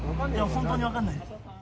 本当に分かんないです。